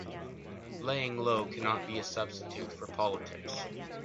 Laying low cannot be a substitute for politics.